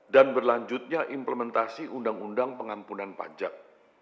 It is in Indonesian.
dan berlanjutnya implementasi undang undang pengampunan pajak